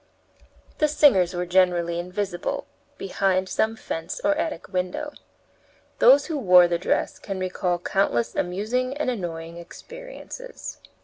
The singers were generally invisible behind some fence or attic window. Those who wore the dress can recall countless amusing and annoying experiences.